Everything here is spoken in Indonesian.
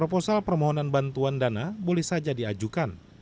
proposal permohonan bantuan dana boleh saja diajukan